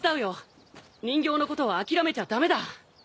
人形のことは諦めちゃ駄目だ。